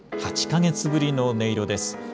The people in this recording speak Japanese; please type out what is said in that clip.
８か月ぶりの音色です。